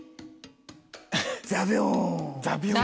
ザビョン。